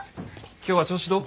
今日は調子どう？